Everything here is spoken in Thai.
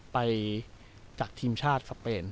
ไปจากทีมชาติสเปน